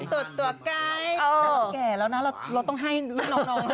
ถ้าเก่าแล้วนะเราต้องให้น้อง